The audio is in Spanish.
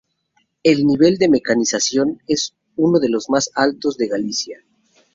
El nivel de mecanización es uno de los más altos de Galicia.